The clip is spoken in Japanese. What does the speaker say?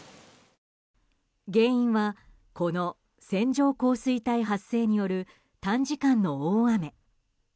原因はこの線状降水帯発生による短時間の大雨。